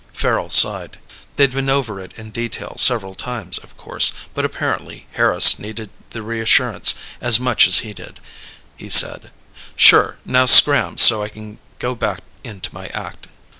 Farrel sighed. They'd been over it in detail several times, of course, but apparently Harris needed the reassurance as much as he did. He said: "Sure. Now scram so I can go back into my act."